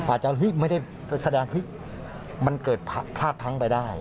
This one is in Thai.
อาจจะไม่ได้แสดงเฮ้ยมันเกิดพลาดพังไปได้